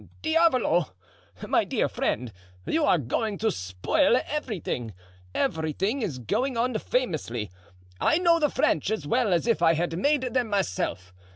"Diavolo! my dear friend, you are going to spoil everything—everything is going on famously. I know the French as well as if I had made them myself.